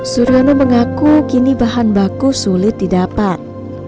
suryono mengaku kini bahan baku sulit didapat